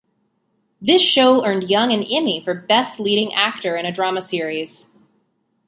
This show earned Young an Emmy for best leading actor in a drama series.